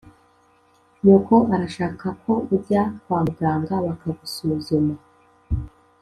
nyoko arashaka ko ujya kwamuganga bakagusuzuma